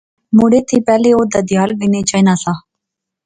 مڑے تھی پہلے او دادھیال گینے چاہنا سا